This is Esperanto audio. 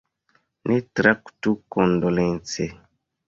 Ne traktu kondolence!